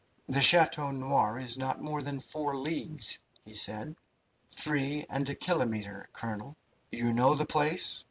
"The Chateau Noir is not more than four leagues," he said. "Three and a kilometre, colonel." "You know the place?"